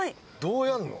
どうやんの？